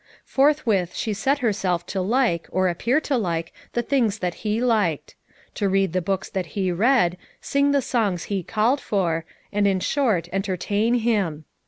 Forthwith she set herself to like or appear to like the things that he liked; to read the books that he read, sing the songs he called for, and in short entertain him.